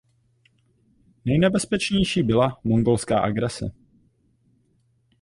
Nejnebezpečnější byla mongolská agrese.